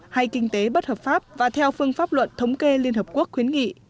hay kinh tế bất hợp pháp và theo phương pháp luận thống kê liên hợp quốc khuyến nghị